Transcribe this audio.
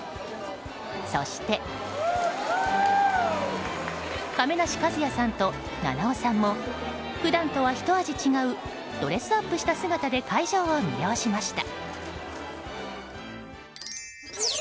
そして、亀梨和也さんと菜々緒さんも普段とはひと味違うドレスアップした姿で会場を魅了しました。